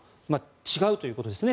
違うということですね。